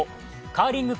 カーリング